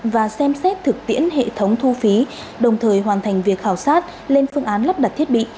và xem xét thực tiễn hệ thống thu phí đồng thời hoàn thành việc khảo sát lên phương án lắp đặt thiết bị